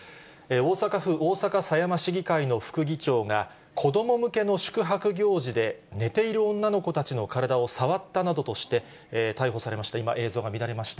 大阪府大阪狭山市議会の副議長が、子ども向けの宿泊行事で寝ている女の子たちの体を触ったなどとして逮捕されました、